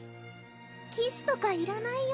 騎士とかいらないよ？